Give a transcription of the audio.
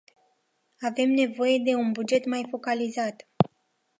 Avem nevoie de un buget mai focalizat.